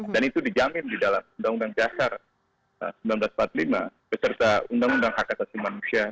dan itu dijamin di dalam undang undang jasar seribu sembilan ratus empat puluh lima beserta undang undang hak atasi manusia